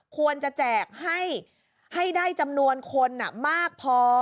แจกให้ได้จำนวนคนมากพอ